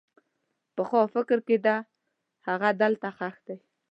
پخوا فکر کېده هغه دلته ښخ دی.